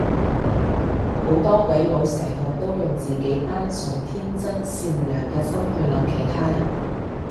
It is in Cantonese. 好多鬼佬成日都用自己單純天真善良嘅心去諗其他人